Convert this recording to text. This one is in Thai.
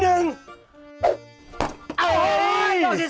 โรคที่๒